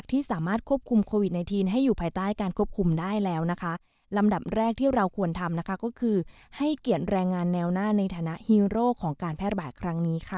การแพร่บายครั้งนี้ค่ะ